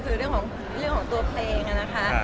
คือเรื่องของตัวเพลงนะคะ